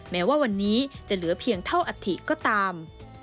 แม้ว่าวันนี้จะเหลือเพียงเท่าอัฐิก็ตาม